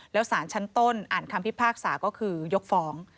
แล้วสารชั้นต้นอ่านคำพิพากษาก็คือยกฟ้อง